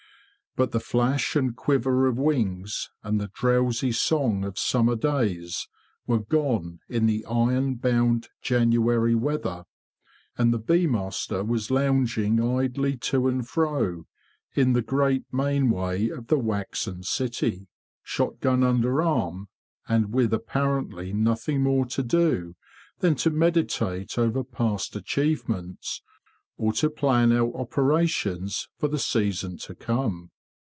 But the flash and quiver of wings, and the drowsy song of summer days, were gone in the iron bound January weather; and the bee master was lounging idly to and fro in the great main way of the waxen B 17 18 THE BEE MASTER OF WARRILOW city, shot gun under arm, and with apparently nothing more to do than to meditate over past achievements, or to plan out operations for the season to come.